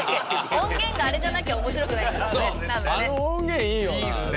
音源があれじゃなきゃ面白くないんだろうね多分ね。